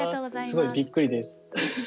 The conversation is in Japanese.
すごいびっくりです。